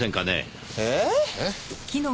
えっ？